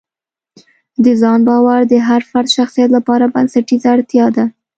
د ځان باور د هر فرد شخصیت لپاره بنسټیزه اړتیا ده.